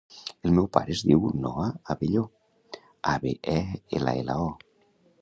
El meu pare es diu Noah Abello: a, be, e, ela, ela, o.